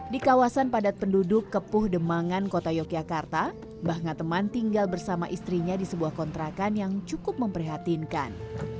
di kawasan padat penduduk kepuh demangan kota yogyakarta mbah ngateman tinggal bersama istrinya di sebuah kontrakan yang cukup memprihatinkan